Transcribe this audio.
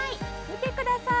見てください！